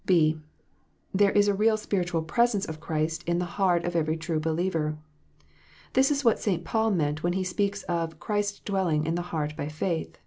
(b) There is a real spiritual "presence" of Christ in the heart of every true believer. This is what St. Paul meant when he speaks of "Christ dwelling in the heart by faith."